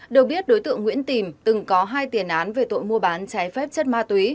được biết đối tượng nguyễn tìm từng có hai tiền án về tội mua bán trái phép chất ma túy